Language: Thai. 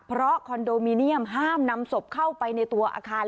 เพราะคอนโดมิเนียมห้ามนำศพเข้าไปในตัวอาคาร